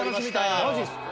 えっマジっすか？